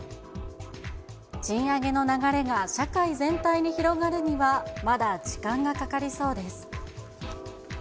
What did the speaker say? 賃上げの流れが社会全体に広がるには、まだ時間がかかりそうです。